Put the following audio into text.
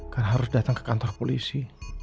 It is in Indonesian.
karena harus datang ke kantor polisi